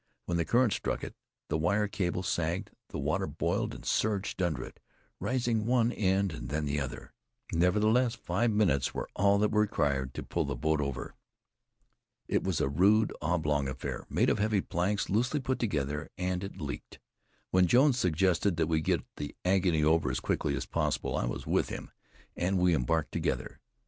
When the current struck it, the wire cable sagged, the water boiled and surged under it, raising one end, and then the other. Nevertheless, five minutes were all that were required to pull the boat over. It was a rude, oblong affair, made of heavy planks loosely put together, and it leaked. When Jones suggested that we get the agony over as quickly as possible, I was with him, and we embarked together.